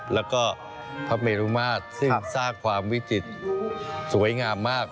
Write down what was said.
แล้วก็พระเมรุมาตรซึ่งสร้างความวิจิตรสวยงามมาก